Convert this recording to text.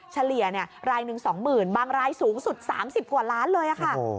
เฉลี่ยไลน์๑๒๐๐๐๐บางไลน์สูงสุด๓๐กว่าล้านเลย